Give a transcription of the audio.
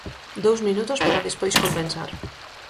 Dous minutos, para despois compensar.